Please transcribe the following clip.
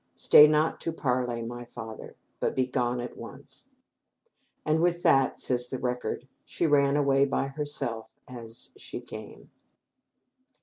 Stay not to parley, my father, but be gone at once." And with that, says the record, "she ran away by herself as she came."